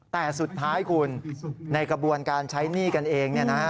แต่สุดท้ายคุณในกระบวนการใช้หนี้กันเอง